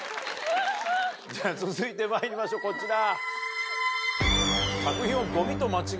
じゃあ続いてまいりましょうこちら。